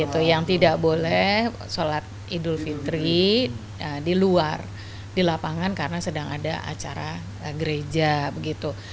itu yang tidak boleh sholat idul fitri di luar di lapangan karena sedang ada acara gereja begitu